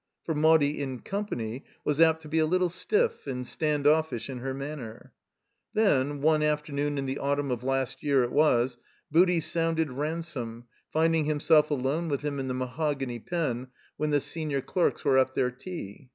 For Maudie in company was apt to be a little stiff and stand oiBsh in her manner. Then (one afternoon in the auttunn of last year it was) Booty sotmded Ransome, finding himself alone with him in the mahogany pen when the senior clerks were at their tea.